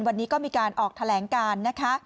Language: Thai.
วันนี้ก็มีการออกแถลงการนะคะ